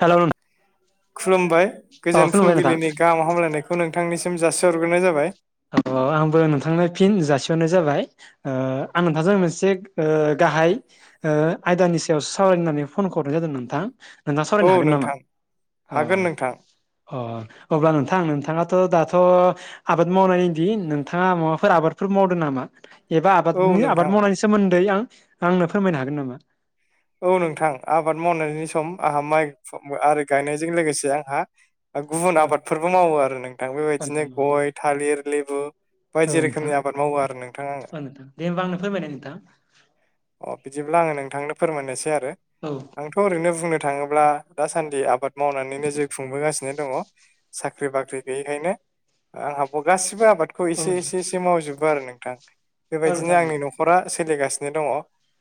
Hello खुलुमबाय अ गोजोन खुलुमबाय नोंथां फुंबिलिनि गाहाम हामलायनाय खौ नोंथांनिसिम जासिहरग्रोनाय जाबाय। औ औ आंबो नोंथांनो फिन जासिहरनाय जाबाय। ओ आं नोंथांजों मोनसे ओ गाहाय ओ आयदानि सायाव सावरायनो होननानै फन हरनाय जादों नोंथां। नोंथां औ सावरायनो हागोन नामा नोंथां अ। हागोन नोंथां अ अब्ला नोंथां नोंथाङाथ' दाथ' आ बाद मावनायनि दिन नोंथाङा माबाफोर आबादफोर मावदों नामा एबा औ आबादनि आबाद नोंथां मावनायनि सि सोमोन्दै आं आंनो फोरमायनो हागोन नामा? औ नोंथां आबाद मावनायनि सम आंहा माइ आरो गायनायजों लोगोसे आंहा गुबुन औ आबादफोरबो मावो आरो नोंथां बेबायदिनो गय थालिर लेबु औ बायदि नोंथां रोखोमनि आबाद मावो आरो नोंथां आङो औ नोंथां दे होमबा आंनो फोरमायनाय नोंथां अ बिदिब्ला आङो नोंथांनो फोरमायनोसै आरो। औ आंथ' ओरैनो बुंनो थाङोब्ला दासान्दि आबाद मावनानैनो जिउ खुंबोगासिनो दङ। साख्रि बाख्रि गैयैखायनो आंहाबो गासिबो आबाद खौ औ इसे नोंथां इसे एसे मावजोबो आरो नोंथां औ बेबायदिनो नोंथां औ आंनि नखरा सोलिगासिनो दङ। ओ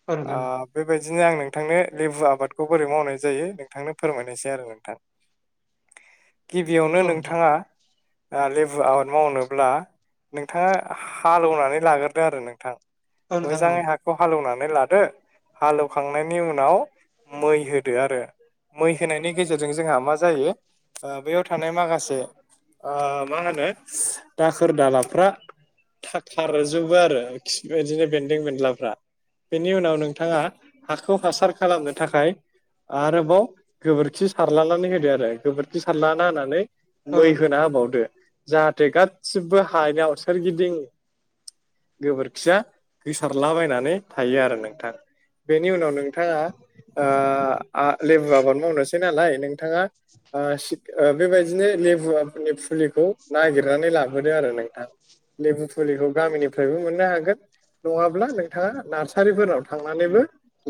औ नोंथां बेबायदिनो आं नोंथांनो लेबु आबादखौ बोरै मावनाय जायो नोंथांनो फोरमायनोसै आरो नोंथां। [inaudible] गिबियावनो औ नोंथाङा ओ लेबु आबाद मावनोब्ला नोंथाङा हाल एवनानै लाग्रोदो आरो नोंथां। औ नोंथां औ मोजाङै हाखौ हाल एवनानै लादो हाल एवखांनायनि उनाव मै होदो आरो मै होनायनि गेजेरजों जोंहा मा जायो ओ बैयाव थानाय माखासे ओ मा होनो दाखोर दालाफ्रा थाखार जोबो आरो खि बिदिनो बेन्दों बेनलाफ्रा बेनि उनाव नों थाङा हाखौ हासार खालामनो थाखाय आरोबाव गोबोरखि सारलानानै होदो आरो गोबोरखि सारलाना होनानै मै नोंथां होना होबावदो जाहाथे गासिबो हानियाव सोरगिदिं गोबोरखिया गोसारलाबायनानै थायो आरो नोंथां बेनि उनाव नोंथाङा ओ आ लेबु आबाद मावनोसै नालाय नों थाङा ओ सि ओ बेबायदिनो लेबु आबादनि फुलिखौ नागिरनानै लाबोदों आरो नोंथां। लेबु फुलिखौ गामिनिफ्रायबो मोननो हागोन नङाब्ला नोंथाङा नार्सारिफोराव थांनानैबो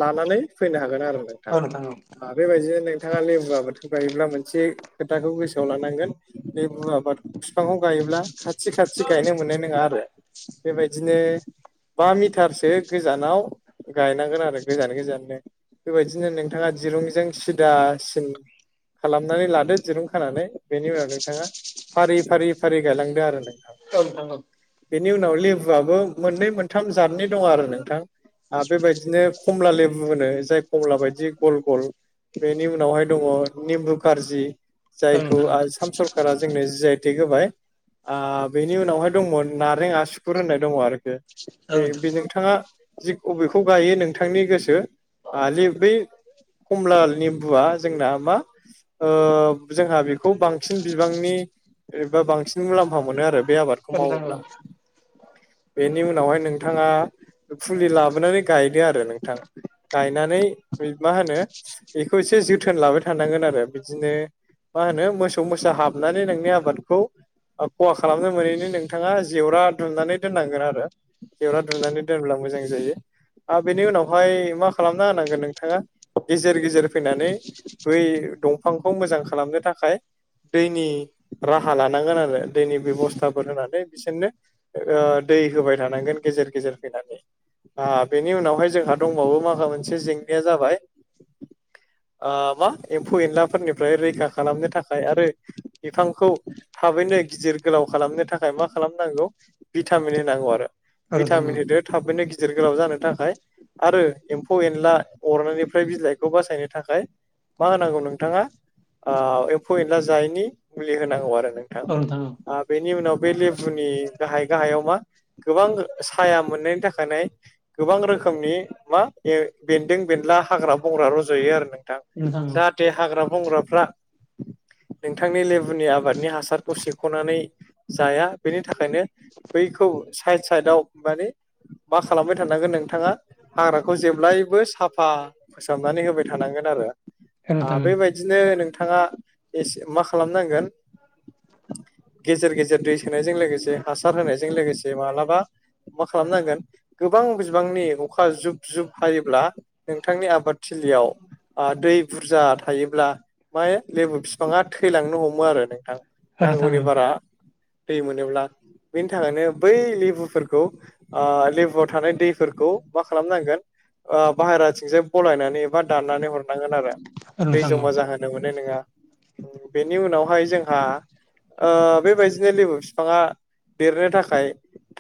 लानानै फैनो हागोन आरो नों औ नोंथां औ ओ बेबायदिनो नोंथाङा लेबु आबादखौ गायोब्ला मोनसे खोथाखौ गोसोआव लानांगोन लेबु आबाद फिफांखौ गायोब्ला खाथि खाथि गायनो मोननाय नोङा आरो बेबायदिनो बा मिटारसो गोजानाव गायनांगोन आरो गोजान गोजाननो बेबायदिनो नोंथाङा दिरुंजों सिदा सिन खालामनानै लादो दिरुं खानानै बेनि उनाव नोंथाङा फारि फारि फारि गायलांदो आरो नों औ नोंथां औ बेनि उनाव लेबुआबो मोननै मोनथाम जादनि दं आरो नोंथां ओ बेबायदिनो खमला लेबु होनो जाय खमला बायदि गल गल बेनि उनावहाय दङ निमबु कारजि औ जायखौ नोंथां औ आसाम सर खारा जोंनो जि आइ टेग होबाय ओ बेनि उनावहाय दंमोन नारें आसुखुर होननाय दङ आरोखि औ बे नोंथां बे नोंथाङा जि अबेखौ गायो नोंथांनि गोसो ओ लेब बै कमला निमबुआ जोंना मा ओ जोंहा बेखौ बांसिन बिबांनि एबा बांसिन मुलाम्फा मोनो आरो बे आबादखौ औ नोंथां औ मावोब्ला बेनि उनावहाय नोंथाङा फुलि लाबोनानै गायदो आरो नोंथां गायनानै मा होनो बेखौ एसे जोथोन लाबाय थानांगोन आरो बिदिनो मा होनो मोसौ मोसा हाबनानै नोंनि आबादखौ ओ खहा खालामनो मोनैनि नोंथाङा जेवरा दुमनानै दोननांगोन आरो जेवरा दुमनानै दोनब्ला मोजां जायो। आरो बेनि उनावहाय मा खालामना होनांगोन नोंथाङा गेजेर गेजेर फैनानै बै दंफांखौ मोजां खालामनो थाखाय दैनि राहा लानांगोन आरो दैनि बेबस्थाफोर होनानै बिसोरनो ओ दै होबाय थानांगोन गेजेर गेजेर फैनानै ओ बेनि उनावहाय जोंहा दंबावो माखा मोनसे जेंनाया जाबाय ओ मा एम्फौ एनलाफोरनिफ्राय रैखा खालामनो थाखाय आरो बिफांखौ थाबैनो गिदिर गोलाव खालामनो थाखाय मा खालामनांगौ भिटामिन होनांगौ आरो औ नोंथां औ भिटामिन होदो थाबैनो गिदिर गोलाव जानो थाखाय आरो एम्फौ एनला अरनायनिफ्राय बिलाइखौ बासायनो थाखाय मा होनांगौ नोंथाङा ओ एम्फौ एनला जायैनि मुलि होनांगौ आरो नों थां औ नोंथां औ ओ बेनि उनाव बे लेबुनि गाहाय गाहायाव मा गोबां साया मोननायनि थाखानाय गोबां रोखोमनि मा ए बेन्दों बेनला हाग्रा बंग्रा रज'यो आरो नों थां नोंथां औ जाहाथे हाग्रा बंग्राफ्रा नोंथांनि लेबुनि आबादनि हासारखौ सेख'नानै जाया बेनि थाखायनो बैखौ साइद साइदआव माने मा खालामबाय थानांगोन नोंथाङा हाग्राखौ जेब्लायबो साफा फोसाबनानै होबाय थानांगोन आरो औ नोंथां औ बेबाय दिनो नोंथाङा एसे मा खालामनांगोन गेजेर गेजेर दै सोनायजों लोगोसे हासार होनायजों लोगोसे माब्लाबा मा खालामनांगोन गोबां बिबांनि अखा जुब जुब हायोब्ला नोंथांनि आब फादथिलियाव दै बुरजा थायोब्ला ओमफाय लेबु बिफाङा थैलांनो हमो आरो नोंथां औ नोंथां औ नांगौनि बारा दै मोनोब्ला बिनि थाखायनो बै लेबुफोरखौ आ लेबुआव थानाय दैफोरखौ मा खालामनांगोन बाहेराथिंजाय बलायनानै एबा दाननानै हरनांगोन आरो औ दै नोंथां औ जमा जाहोन नंगौना नङा बेनि उनावहाय जोंहा बेबायदिनो लेबु बिफाङा देरनो थाखाय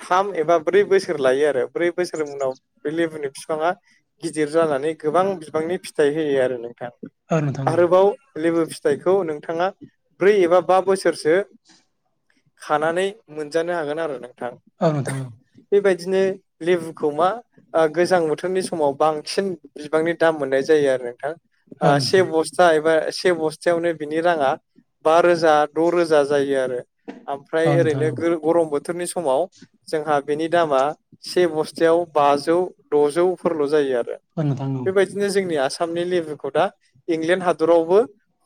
थाम एबा ब्रै बोसोर लायो आरो ब्रै बोसोरनि उनाव बे लेबुनि बिफाङा गिदिर जानानै गोबां बिबांनि फिथाइ होयो आरो नोंथां औ नोंथां औ नोंथां औ नोंथां औ नोंथां औ नोंथां औ आरोबाव लेबु फिथाइखौ नोंथाङा ब्रै एबा बा बोसोरसो खानानै मोनजानो हागोन आरो नोंथां औ नोंथां औ बेबायदिनो लेबुखौ मा ओ गोजां बोथोरनि समाव बांसिन बिबांनि दाम मोननाय जायो आरो नोंथां से औ बस्था एबा से बस्थायावनो बिनि राङा बा रोजा द' रोजा जायो आरो ओमफ्राय नोंथां ओरैनो गरम बोथोरनि समाव जोंहा बेनि दामा से बस्थायाव बाजौ द'जौफोरल' जायो आरो औ नोंथां औ बिदिनो जोंनि आसामनि लेबुखौ दा इंलेण्ड हादरावबो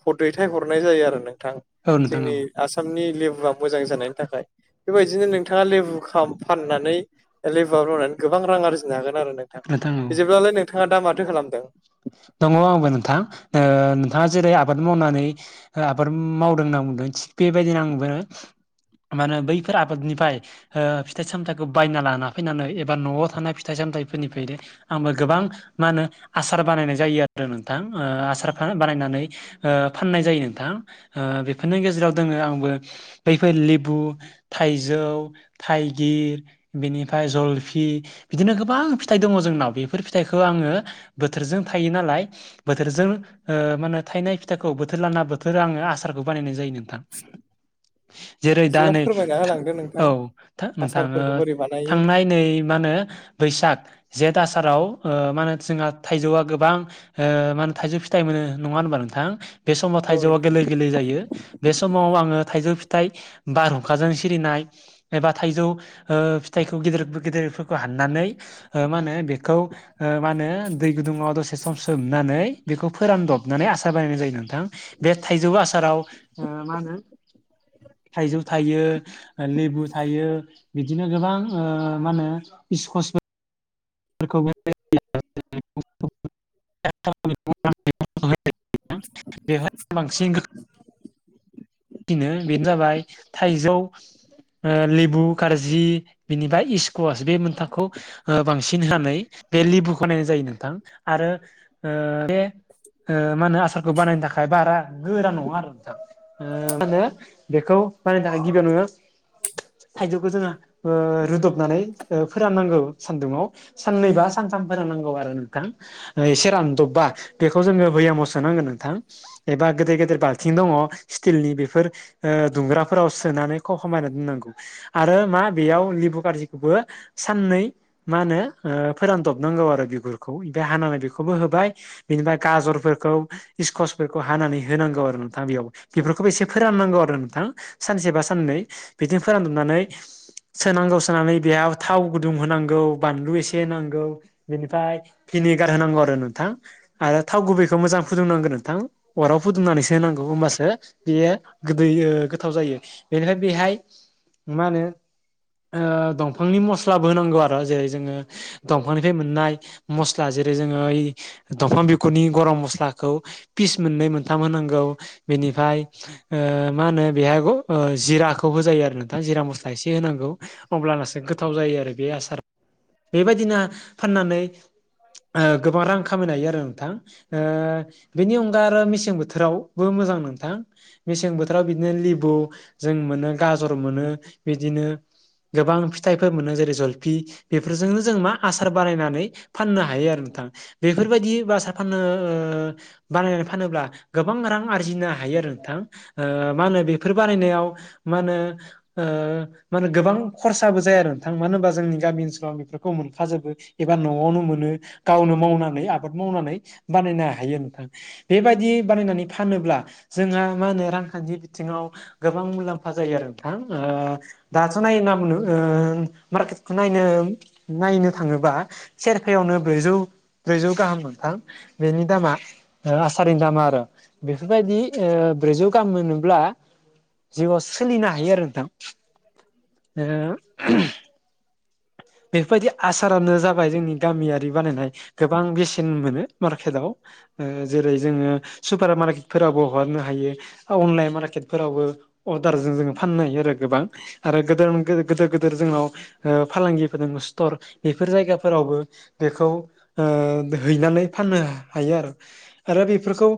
ह दैथाय हरनाय जायो आरो नोंथां औ जोंनि नोंथां आसामनि लेबुआ मोजां जानायनि थाखाय बेबायदिनो नोंथाङा लेबु खा फाननानै लेबुआव मा होनो गोबां रां आरजिनो हागोन आरो नों थां औ बिदिब्लालाय नोंथाङा दा माथो खालामदों? दङ आंबो नोंथा नोंथाङा जेरै आबाद मावनानै आबाद मावदों होनना बुंदों थिग बेबायदिनो आंबो मा होनो बैफोर आबादनिफ्राय ओ फिथाइ सामथाइखौ बायना लाना फैनानै एबा न'आव थानाय फिथाइ सामथाइफोरनिफायनो आंबो गोबां मा होनो आसार बानायनाय जायो आरो नोंथां आसार बानायनानै फाननाय जायो नोंथां बेफोरनि गेजेराव दोङो आंबो बैफोर लेबु थाइजौ थाइगिर बेनिफ्राय जलफि बिदिनो गोबां फिथाइ दङ जोंनाव बेफोर फिथाइखौ आङो बोथोरजों थायो नालाय। बोथोरजों मा होनो थायनाय फिथाइखौ बोथोर लाना बोथोर आङो आसारखौ बानायनाय जायो नों थां जेरै दा बिदिब्ला नै फोरमायना होलांदो नोंथां औ नोंथां आसारफोरखौ ओ बोरै बानायो थांनाय नै मा होनो बैसाग जेठ आसाराव ओ मा होनो जोंहा थाइजौआ गोबां मा होनो थाइजौ फिथाइ मोनो नङा होनबा नोंथां? बे समाव औ थाइजौआ नोंथां गोरलै गोरलै जायो। बे समाव आङो थाइजौ फिथाइ बारहुंखाजों सिरिनाय एबा थाइजौ ओ फिथाइखौ गिदिर गिदिरफोरखौ हाननानै ओ मा होनो बेखौ ओ मा होनो? दै गुदुङाव दसे सम सोमनानै बेखौ फोरानदबनानै आसार बानायनाय जायो नोंथां। बे थाइजौ आसाराव मा होनो थाइजौ थायो। लेबु थायो बिदिनो गोबां ओ मा होनो इसकस फोरखौ [unintelligible] फिनो बेनो जाबाय थाइजौ ओ लेबु गारजि बिनिबा इस्कुवास बे मोनथाखौ बांसिन होनानै बे लिबुखौ नायनाय जायो नोंथां आरो ओ बे ओ मा होनो आसारखौ बानायनो थाखाय बारा गोरा नङा आरो नोंथां। मा होनो बेखौ मान दा गिबियाव नोङो थायजौखौ जोङो ओ रुदबनानै फोराननांगौ सानदुंङाव। साननैबा सानथाम फोरोंनांगौ आरो नोंथां एसे रानदबबा बेखौ जोङो बैयामाव सो सांगोन नोंथां एबा गेदेर गेदेर बालथिं दङ। स्टिलनि बेफोर ओ दुंग्राफोराव सोनानैखौ हमायना दोन्नांगौ। आरो मा बेयाव लिबु गारजिखौबो साननै मा होनो फोरानदबनांगौ आरो बिगुरखौ ओमफ्राय हानानानै बेखौबो होबाय। बिनिफ्राय गाजरफोरखौ इकसफोरखौ हानानै होनांगौ आरो नोंथां बेयाव। बेफोरखौबो एसे फोराननांगौ आरो नोंथां सानसे बा साननै बिदिनो फोरानजोबनानै सोनांगौ सोनानै बेहाव थाव गुदुं होनांगौ। बानलु एसे नांगौ बेनिफ्राय भिनेगार होनांगौ आरो नोंथां। आरो थाव गुबैखौ मोजां फुदुंनांगौ नोंथां अराव फुदुंनानैसो होनांगौ होनोमबासो बेयो गोदै गोथाव जायो बेनिफ्राय बेहाय मा होनो? दंफांनि मस्लाबो होनांगौ आरो जेरै जोङो दंफांनिफ्राय मोननाय मस्ला जेरै जोङो ओइ दंफां बिखुनि गरम मस्लाखौ फिस मोननै मोनथाम होनांगौ बेनि मा होनो बेहाय जिराखौ होजायो आरो नोंथां जिरा मस्ला एसे होनांगौ। अब्लानासो गोथाव जायो आरो बे आसारा। बेबायदिनो फाननानै ओ गोबां रां खामायनो हायो आरो नोंथां ओ बेनि अनगा आरो मेसें बोथोर बोथोरावबो मोजां नङो थां मेसें बोथोराव बिदिनो लिबु जों मोनो गाजर मोनो बिदिनो गोबां फिथाइफोर मोनो जेरै जलफि बेफोरजोंनो जों मा आसार बानायनानै फाननो हायो आरो नोंथाङा बेफोरबायदि भासा फाननो ओ बानायनानै फानोब्ला गोबां रां आरजिनो हायो आरो नोंथां ओ मा होनो बेफोर बारानायनायाव मा होनो ओ मान होन गोबां खरसाबो जाया आरो नोंथां मानो होनबा जोंनि गामि ओनसोलावं बेफोरखौ मोनखाजोबो। एबा न'आवनो मोनो गावनो मावनानै आबाद मावनानै बानायनो हायो नोंथां। बेबायदि बानायनानै फानोब्ला जोंहा मा होनो रांखान्थि बिथिङाव गोबां मुलाम्फा जायो आरो नोंथां। दाथ नाय नायोब्ला बुङोब्ला मार्केटखौ नायनो नायनो थाङोबा सेरफयावनो ब्रैजौ ब्रैजौ गाहाम मोनथां बेनि दामा आ आसारनि दामा आरो बेफोरबायदि ब्रैजौ गाहाम मोनोब्ला जिउआव सोलिनो हायो आरो नोंथां [inaudible] बेफोरबायदि आसारानो जाबाय जोंनि गामियारि बानायनाय गोबां बेसे सिन मोनो मार्केटाव जेरै जोङो सुपार मार्केटफोरावबो हरनो हायो अनलाइन मार्केटफोरावबो अर्दारजों जो फाननो हायो आरो गोबां आरो गोद गदोर गिदेर जोंनाव फालांगि [unintelligible] बेफोर जायगाफोरावबो बेखौ हैनानै फाननो हायोआरो आरो बेफोरखौ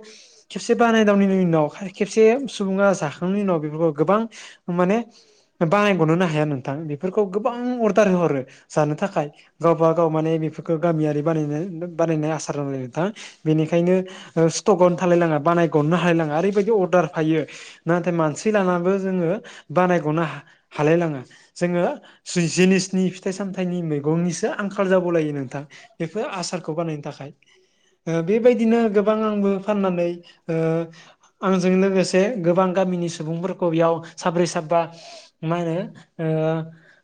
खेबसे बानायदावनायनि उनाव खेबसे सुबुङा जाखांनायनि उनाव बेफोरखौ गोबां माने बानायगनोनो हाया नोंथां बेफोरखौ गोबां अर्दार होहरो जानो थाखाय गावब गाव माने बेफोरखौ गामियारि बानाय बानायनाय आसार [unintelligible] नोंथां बेनिखायनो स्टकआवनो थालायलाङा बानायगनो हालायलाङा ओरैबायदि अर्डार फायो नाथाय मानसि लानाबो जोङो बानायगनो हा हालायलाङा जोङो जिनिसनि फिथाइ सामथाइनि मैगंनिसो आंखाल जाबावलायो नोंथां बेफोर आसारखौ बानायनो थाखाय बेबायदिनो गोबां आंबो फाननानै आंजों लोगोसे गोबां गामिनि सुबुंफोरखौ बेयाव साब्रै साबा मा होनो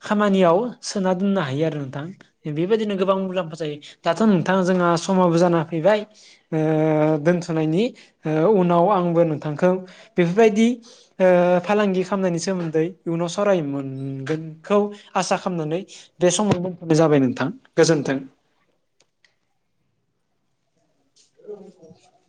खामानियाव सोना दोननो हायो आरो नोंथां बेबायदिनो गोबां मुलाम्फा जायो दाथ नोंथाङा जोंहा समाबो जाना फैबाय दोनथनायनि उनाव आंबो नोंथांखौ बेफोरबायदि फालांगि खालामनायनि सोमोन्दै इयुनाव सावरायनो मोनगोनखौ आसा खालामनानै बे समाव दथ'नाय जाबाय नोंथां गोजोन्थों औ